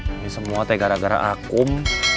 ini semua teh gara gara akum